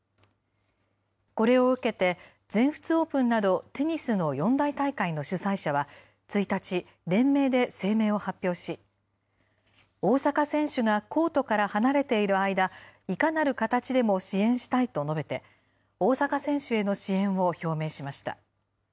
これを受けて、全仏オープンなど、テニスの四大大会の主催者は１日、連名で声明を発表し、大坂選手がコートから離れている間、いかなる形でも支援したいと述べて、大坂選手への支援を表明しました。